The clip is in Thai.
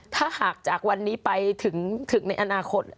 ถ้าหากจากวันนี้ไปถึงในอนาคต